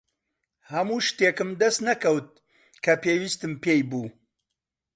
هەموو شتێکم دەست نەکەوت کە پێویستم پێی بوو.